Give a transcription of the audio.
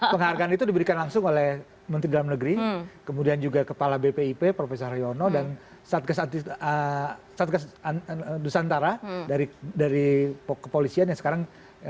penghargaan itu diberikan langsung oleh menteri dalam negeri kemudian juga kepala bpip prof haryono dan satgas nusantara dari kepolisian yang sekarang